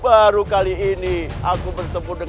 ayo kita bertarung